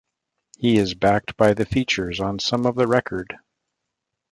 He is backed by the Features on some of the record.